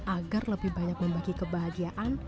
agar lebih banyak membagi kebahagiaan